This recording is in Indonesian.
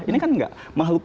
ini kan enggak